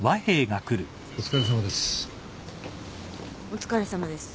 お疲れさまです。